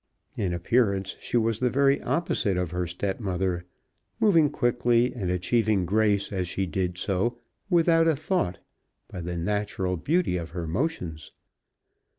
In appearance she was the very opposite of her stepmother, moving quickly and achieving grace as she did so, without a thought, by the natural beauty of her motions.